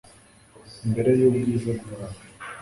imbere y'ubwiza bwawe